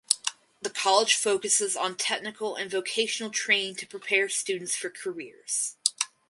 The college focuses on technical and vocational training to prepare students for careers.